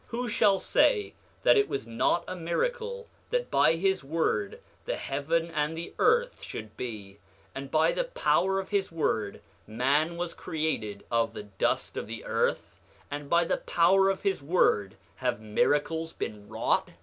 9:17 Who shall say that it was not a miracle that by his word the heaven and the earth should be; and by the power of his word man was created of the dust of the earth; and by the power of his word have miracles been wrought?